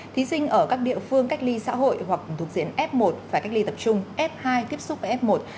thí sinh ở các địa phương cách ly xã hội hoặc thuộc diện f một phải cách ly tập trung f hai tiếp xúc với f một